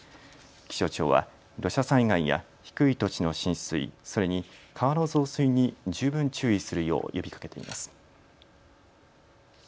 気象庁は土砂災害や低い土地の浸水、それに川の増水に十分注意するよう呼びかけています。